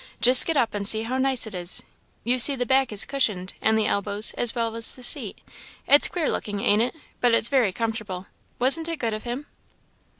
Just get up and see how nice it is; you see the back is cushioned, and the elbows, as well as the seat; it's queer looking, ain't it? but it's very comfortable. Wasn't it good of him?"